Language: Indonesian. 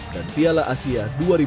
dan piala asia dua ribu dua puluh empat